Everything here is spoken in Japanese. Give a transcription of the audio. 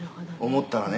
「思ったらね。